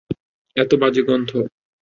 এতো বাজে গন্ধ।